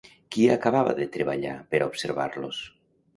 Qui acabava de treballar per a observar-los?